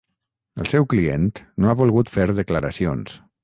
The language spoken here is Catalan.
El seu client no ha volgut fer declaracions.